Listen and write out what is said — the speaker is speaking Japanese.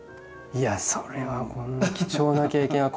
いやそれはこんな貴重な経験は。